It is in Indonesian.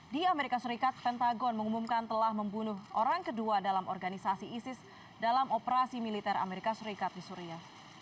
di amerika serikat pentagon mengumumkan telah membunuh orang kedua dalam organisasi isis dalam operasi militer amerika serikat di suria